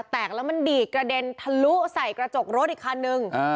แตกแล้วมันดีดกระเด็นทะลุใส่กระจกรถอีกคันนึง